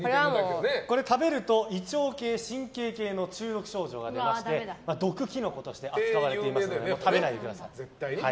これは食べると胃腸系、神経系の中毒症状が出まして毒キノコとして扱われていますので食べないでください。